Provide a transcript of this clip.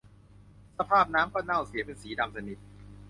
สภาพน้ำก็เน่าเสียเป็นสีดำสนิท